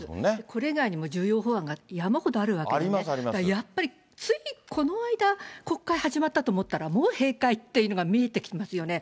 これ以外にも重要法案が山ほどあるわけでね、だからやっぱりついこの間、国会始まったと思ったら、もう閉会っていうのが見えてきますよね。